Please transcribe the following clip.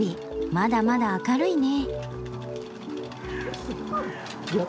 まだまだ明るいね。